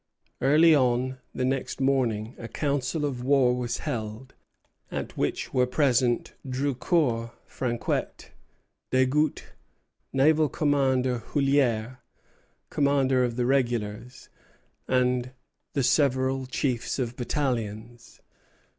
Early on the next morning a council of war was held, at which were present Drucour, Franquet, Desgouttes, naval commander, Houllière, commander of the regulars, and the several chiefs of battalions.